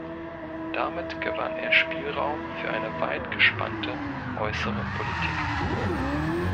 Damit gewann er Spielraum für eine weit gespannte äußere Politik.